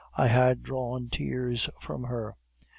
I had drawn tears from her.